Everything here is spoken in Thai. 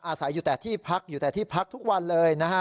อาศัยอยู่แต่ที่พักอยู่แต่ที่พักทุกวันเลยนะฮะ